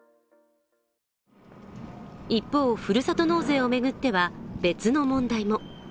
一方、ふるさと納税を巡っては別の問題も。